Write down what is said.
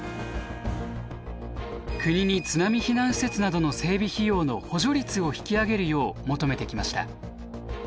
国に津波避難施設などの整備費用の補助率を引き上げるよう求めてきました。